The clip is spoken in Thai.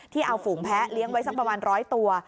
เอาฝูงแพ้เลี้ยงไว้สักประมาณ๑๐๐ตัว